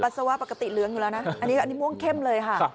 สวะปกติเหลืองอยู่แล้วนะอันนี้ม่วงเข้มเลยค่ะ